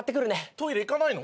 トイレ行かないの？